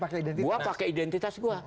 gua pakai identitas gua